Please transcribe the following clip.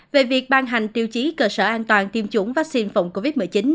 về việc ban hành tiêu chí cơ sở an toàn tiêm chủng vaccine phòng covid một mươi chín